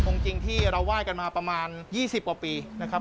จริงที่เราไหว้กันมาประมาณ๒๐กว่าปีนะครับ